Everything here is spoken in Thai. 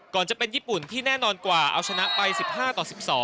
จะเป็นญี่ปุ่นที่แน่นอนกว่าเอาชนะไป๑๕ต่อ๑๒